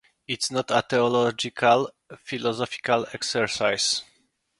It's not a theological, philosophical exercise.